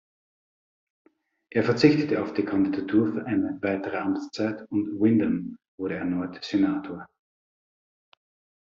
Er verzichtete auf die Kandidatur für eine weitere Amtszeit und Windom wurde erneut Senator.